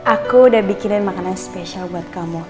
aku udah bikinin makanan yang spesial buat kamu